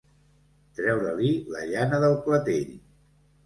Treure-li la llana del clatell.